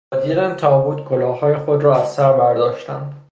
با دیدن تابوت کلاههای خود را از سر برداشتند.